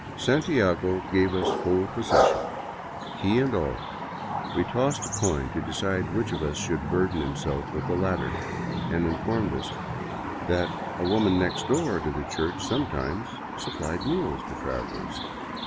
Santiago gave us full possession, key lOI VAGABONDING DOWN THE ANDES and all — we tossed a coin to decide which of us should burden him self with the latter — and informed us that a woman next door to the church sometimes supplied meals to travelers.